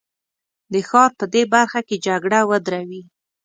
د ښار په دې برخه کې جګړه ودروي.